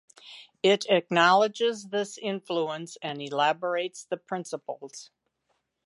It acknowledges this influence and elaborates the principles.